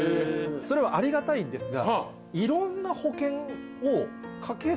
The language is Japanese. それはありがたいんですが。